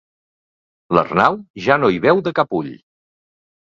L'Arnau ja no hi veu de cap ull.